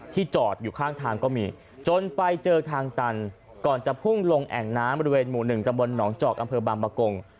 จอดอยู่ข้างทางก็มีจนไปเจอทางตันก่อนจะพุ่งลงแอ่งน้ำบริเวณหมู่๑ตำบลหนองจอกอำเภอบางประกง